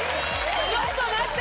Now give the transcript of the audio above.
ちょっと待って！